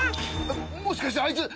もしかしてあいつ。